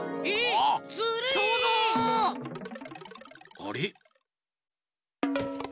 あれ？